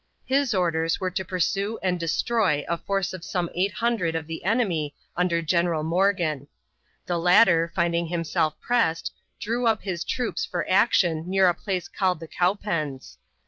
His orders were to pursue and destroy a force of some 800 of the enemy under General Morgan. The latter, finding himself pressed, drew up his troops for action near a place called the Cowpens.